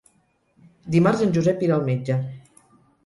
Dimarts en Josep irà al metge.